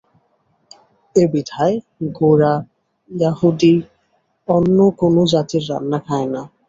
এ বিধায় গোঁড়া য়াহুদী অন্য কোন জাতির রান্না খায় না।